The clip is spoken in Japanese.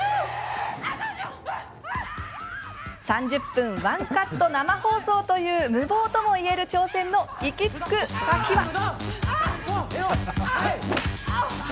３０分ワンカット生放送という無謀ともいえる挑戦の行き着く先は？